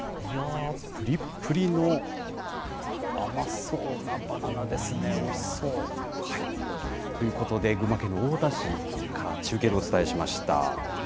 いやぁ、ぷりっぷりの、甘そうなバナナですね、おいしそう。ということで、群馬県太田市から、中継でお伝えしました。